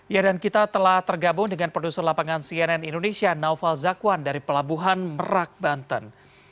ya dan kita telah tergabung dengan produser lapangan cnn indonesia naufal zakwan dari pelabuhan merak banten